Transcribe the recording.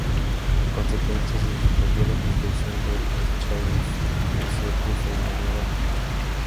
En consecuencia se suspendió la construcción del "Scharnhorst" y se puso una nueva quilla.